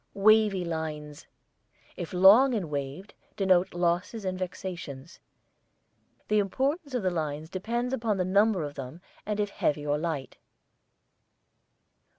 WAVY LINES, if long and waved, denote losses and vexations. The importance of the lines depends upon the number of them and if heavy or light.